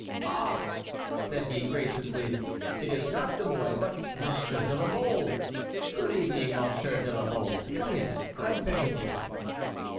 "Ah!" said he, graciously, "it is not De Mouy, but Monsieur de la Mole. Good evening, Monsieur de la Mole. Come in, I beg you."